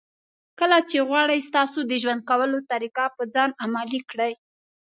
کله چې غواړي ستا د ژوند کولو طریقه په ځان عملي کړي.